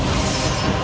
aku akan menang